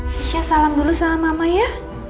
aisyah salam dulu sama mama ya